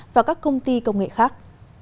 và các công ty công nghệ khác